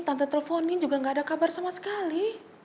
tante telponin juga nggak ada kabar sama sekali